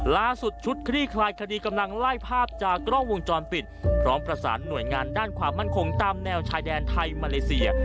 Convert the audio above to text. ล่าสุดชุดคลี่คลายคดีกำลังไล่ภาพจากกล้องวงจรปิดพร้อมประสานหน่วยงานด้านความมั่นคงตามแนวชายแดนไทยมาเลเซีย